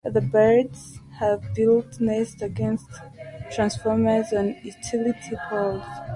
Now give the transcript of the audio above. The birds have built nests against transformers on utility poles.